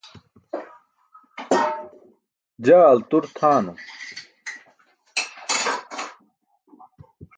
Jaa altur tʰaanum.